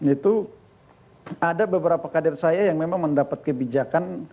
itu ada beberapa kader saya yang memang mendapat kebijakan